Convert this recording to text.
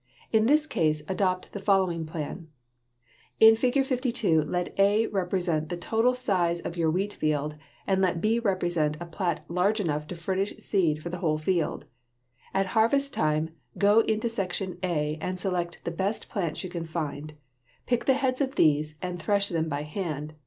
In this case adopt the following plan: In Fig. 52 let A represent the total size of your wheat field and let B represent a plat large enough to furnish seed for the whole field. At harvest time go into section A and select the best plants you can find. Pick the heads of these and thresh them by hand.